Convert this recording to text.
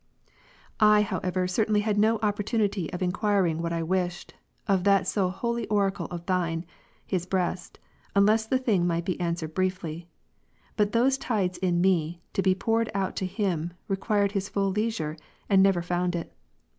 4. 1 however certainly had no opportunity of enquiring what I wished, of that so holy oracle of Thine, his breast, unless the thing might be answered briefly. But those tides in me, to be poured out to him, required his full leisure, and never found it.